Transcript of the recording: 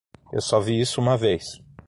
Eu só vi isso uma vez.